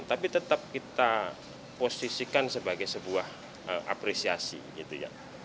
tapi tetap kita posisikan sebagai sebuah apresiasi gitu ya